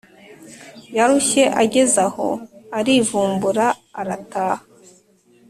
yarushye ageza aho arivumbura arataha